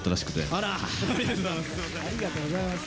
あらー、ありがとうございます。